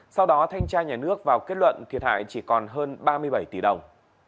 sau đó thanh tra nhà nước vào kết luận thiệt hại chỉ còn hơn ba mươi bảy tỷ đồng